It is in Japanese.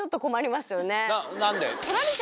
何で？